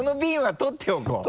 取っておこう。